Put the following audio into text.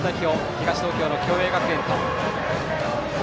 東東京・共栄学園。